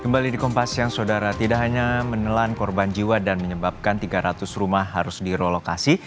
kembali di kompas siang saudara tidak hanya menelan korban jiwa dan menyebabkan tiga ratus rumah harus direlokasi